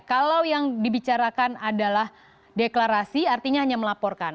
kalau yang dibicarakan adalah deklarasi artinya hanya melaporkan